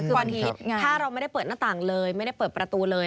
คืออาทิตย์ถ้าเราไม่ได้เปิดหน้าต่างเลยไม่ได้เปิดประตูเลย